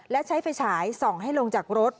และใช้ไฟฉายส่องให้ลงจากรถ